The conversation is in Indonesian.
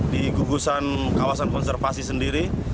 di gugusan kawasan konservasi sendiri